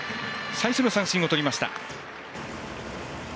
最初の三振をとりましたニックス。